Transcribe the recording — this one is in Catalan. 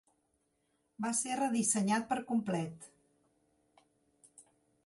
Va ser redissenyat per complet.